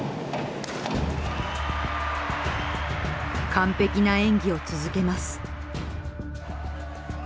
完璧な演技を続けます。